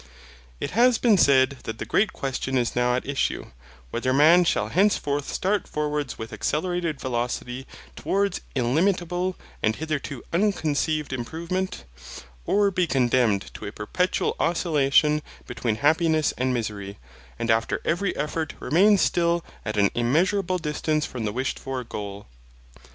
It has been said that the great question is now at issue, whether man shall henceforth start forwards with accelerated velocity towards illimitable, and hitherto unconceived improvement, or be condemned to a perpetual oscillation between happiness and misery, and after every effort remain still at an immeasurable distance from the wished for goal.